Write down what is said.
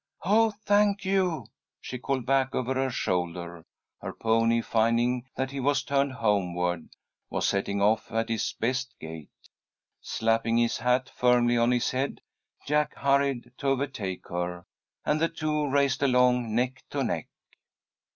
"Oh, thank you," she called back over her shoulder. Her pony, finding that he was turned homeward, was setting off at his best gait. Slapping his hat firmly on his head, Jack hurried to overtake her, and the two raced along neck to neck.